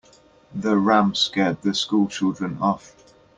The ram scared the school children off.